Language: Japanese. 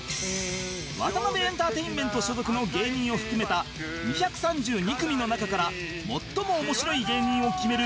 ワタナベエンターテインメント所属の芸人を含めた２３２組の中から最も面白い芸人を決める